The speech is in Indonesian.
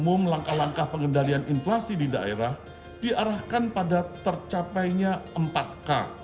umum langkah langkah pengendalian inflasi di daerah diarahkan pada tercapainya empat k